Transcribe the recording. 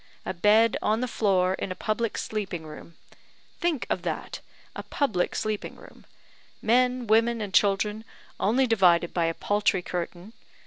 A bed on the floor in a public sleeping room! Think of that; a public sleeping room! men, women, and children, only divided by a paltry curtain.